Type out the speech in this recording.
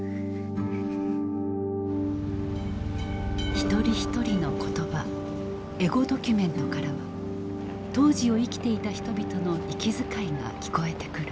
一人一人の言葉エゴドキュメントからは当時を生きていた人々の息遣いが聞こえてくる。